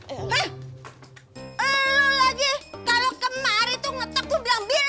eh lo lagi kalau kemari tuh ngetok tuh bilang bilang